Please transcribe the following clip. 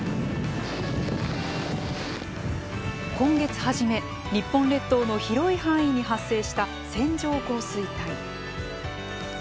今月初め、日本列島の広い範囲に発生した線状降水帯。